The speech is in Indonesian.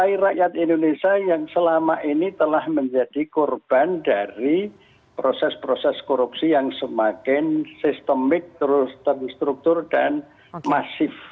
saya rakyat indonesia yang selama ini telah menjadi korban dari proses proses korupsi yang semakin sistemik terstruktur dan masif